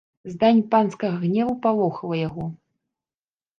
Здань панскага гневу палохала яго.